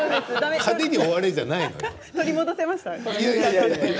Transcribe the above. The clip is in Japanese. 派手に終われということじゃないのよ。